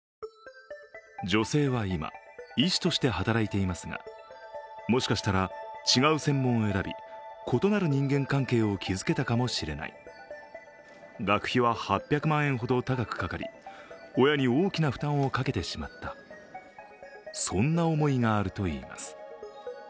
女性は今、医師として働いていますがもしかしたら違う専門を選び異なる人間関係を築けたかもしれない、学費は８００万円ほど高くかかり、親に大きな負担をかけてしまった、そんな思いがあるといいます。